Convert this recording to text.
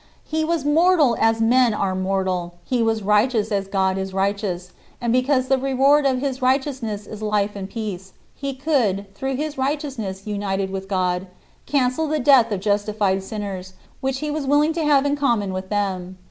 He was mortal as men are mortal; he was righteous as God is righteous; and because the reward of righteousness is life and peace, he could, through his righteousness united with God, cancel the death of justified sinners, which he was willing to have in common with them.